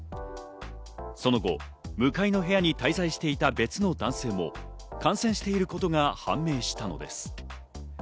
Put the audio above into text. その後、向かいの部屋に滞在していた別の男性も感染していることが判明したのです。